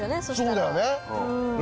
そうだよね。